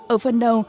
ở phần đầu